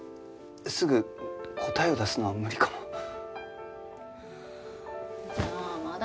すぐ答えを出すのは無理かも。